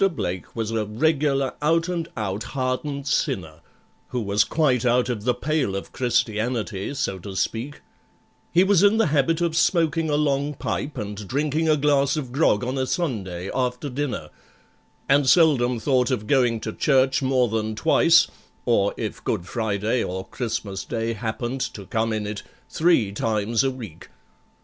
BLAKE was a regular out and out hardened sinner, Who was quite out of the pale of Christianity, so to speak, He was in the habit of smoking a long pipe and drinking a glass of grog on a Sunday after dinner, And seldom thought of going to church more than twice or—if Good Friday or Christmas Day happened to come in it—three times a week.